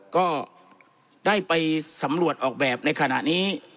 ก็ได้ไปสำรวจออกแบบในขณะนี้